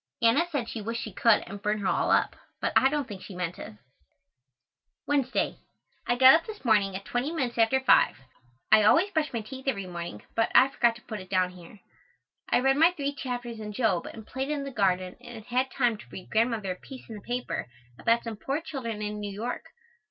Anna said she wished she could and burn her all up, but I don't think she meant it. Wednesday. I got up this morning at twenty minutes after five. I always brush my teeth every morning, but I forget to put it down here. I read my three chapters in Job and played in the garden and had time to read Grandmother a piece in the paper about some poor children in New York.